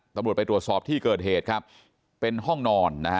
ตำรวจไปตรวจสอบที่เกิดเหตุครับเป็นห้องนอนนะฮะ